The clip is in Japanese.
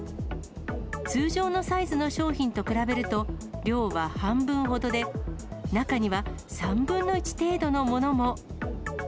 通常のサイズの商品と比べると、量は半分ほどで、中には、３分の１程度のものも。